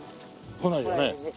来ないよね？